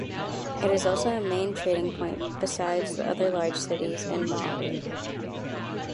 It is also a main trading point besides the other large cities in Malawi.